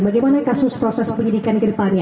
bagaimana kasus proses penyidikan ke depannya